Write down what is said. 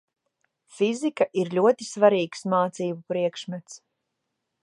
Fizika ir ļoti svarīgs mācību priekšmets.